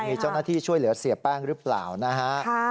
มีเจ้าหน้าที่ช่วยเหลือเสียแป้งหรือเปล่านะฮะ